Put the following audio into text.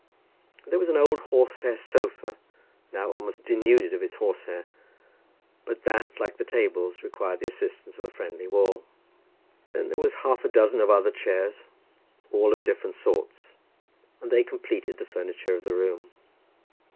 And there was an old horsehair sofa, now almost denuded of its horsehair, but that, like the tables, required the assistance of a friendly wall. Then there was half a dozen of other chairs, all of different sorts, and they completed the furniture of the room.